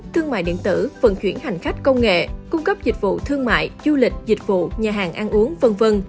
thương mại điện tử vận chuyển hành khách công nghệ cung cấp dịch vụ thương mại du lịch dịch vụ nhà hàng ăn uống v v